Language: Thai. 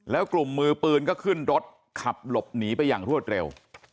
แล้วกลุ่มมือปืนก็ขึ้นรถขับหลบหนีไปอย่างรวดเร็ว